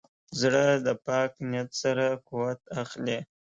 زړه د پاک نیت سره قوت اخلي.